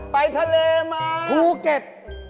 ไปทะเลมาภูเก็ต